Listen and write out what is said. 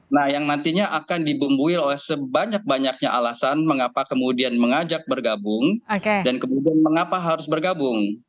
nah yang nantinya akan dibumbui oleh sebanyak banyaknya alasan mengapa kemudian mengajak bergabung dan kemudian mengapa harus bergabung